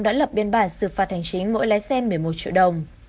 đã lập biên bản xử phạt hành chính mỗi lái xe một mươi một triệu đồng